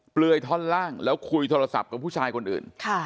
เปลือยท่อนล่างแล้วคุยโทรศัพท์กับผู้ชายคนอื่น